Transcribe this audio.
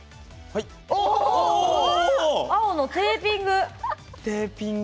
青のテーピング。